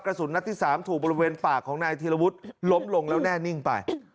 กระสุนนัดที่๓ถูกบริเวณปากของนายธีรวุฒิล้มลงแล้วแน่นิ่งไป